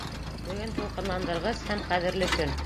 — Бөгөн тулҡынландырғыс һәм ҡәҙерле көн.